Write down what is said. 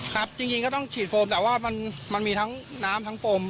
ครับจริงก็ต้องฉีดโฟมแต่ว่ามันมีทั้งน้ำทั้งโฟม